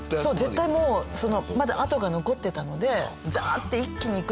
絶対もうまだ跡が残ってたのでザーッて一気に行く。